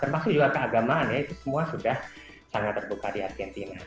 termasuk juga keagamaan ya itu semua sudah sangat terbuka di argentina